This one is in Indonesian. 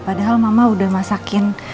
padahal mama udah masakin